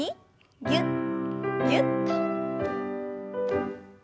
ぎゅっぎゅっと。